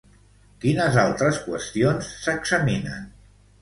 Quines altres qüestions s'examinen?